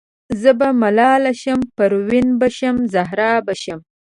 زه به ملاله شم پروین به شم زهره به شمه